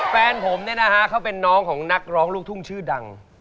แฟนผมเนี่ยนะฮะเขาเป็นน้องของนักร้องลูกทุ่งชื่อดัง